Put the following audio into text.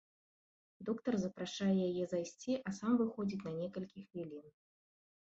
Доктар запрашае яе зайсці, а сам выходзіць на некалькі хвілін.